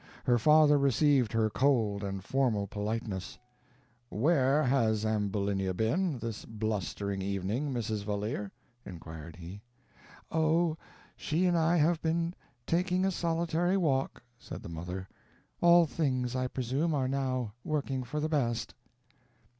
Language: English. Her father received her cold and formal politeness "Where has Ambulinia been, this blustering evening, Mrs. Valeer?" inquired he. "Oh, she and I have been taking a solitary walk," said the mother; "all things, I presume, are now working for the best."